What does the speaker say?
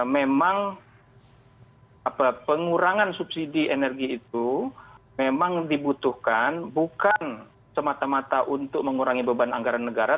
memang pengurangan subsidi energi itu memang dibutuhkan bukan semata mata untuk mengurangi beban anggaran negara